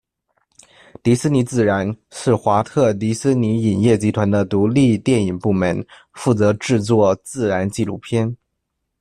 迪士尼自然，是华特迪士尼影业集团的独立电影部门，负责制作自然纪录片。